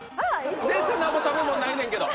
全然何も食べ物ないねんけど。